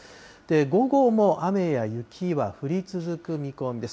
午後も雨や雪は降り続く見込みです。